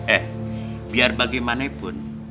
eh biar bagaimanapun